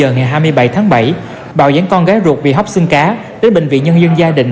ngày hai mươi bảy tháng bảy bảo dẫn con gái ruột bị hóc xương cá đến bệnh viện nhân dân gia đình